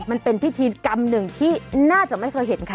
มันเป็นพิธีกรรมหนึ่งที่น่าจะไม่เคยเห็นค่ะ